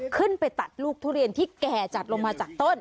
ขึ้นไปตัดลูกทุเรียนที่แก่จัดลงมาจากต้น